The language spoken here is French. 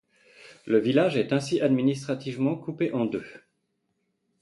Le village est ainsi administrativement coupé en deux.